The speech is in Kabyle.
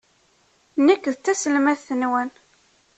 Nekk d taselmadt-nwen.